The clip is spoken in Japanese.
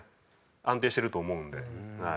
安定してると思うんで。